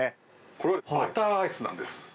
これはバターアイスなんです。